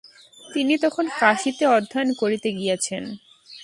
তিনি তখন কাশীতে অধ্যয়ন করিতে গিয়াছেন।